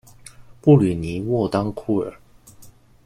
布吕尼沃当库尔。